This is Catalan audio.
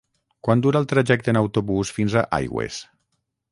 Quant dura el trajecte en autobús fins a Aigües?